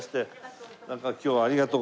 今日はありがとうございます。